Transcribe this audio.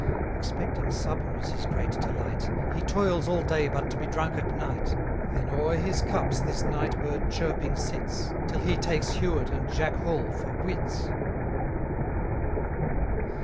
Expecting supper is his great delight; He toils all day but to be drunk at night: Then o'er his cups this night bird chirping sits, Till he takes Hewet and Jack Hall for wits.